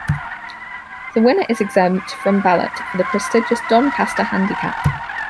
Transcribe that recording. The winner is exempt from ballot for the prestigious Doncaster Handicap.